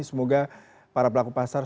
semoga para pelaku pasar